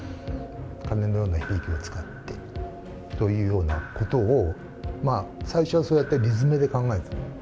鐘のような響きを使って、というようなことを、最初はそうやって理詰めで考えてた。